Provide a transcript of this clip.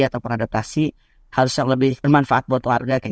ataupun adaptasi harus yang lebih bermanfaat buat warga